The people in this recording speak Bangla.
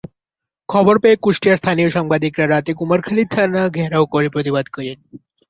খবর পেয়ে কুষ্টিয়ার স্থানীয় সাংবাদিকেরা রাতে কুমারখালী থানা ঘেরাও করে প্রতিবাদ করেন।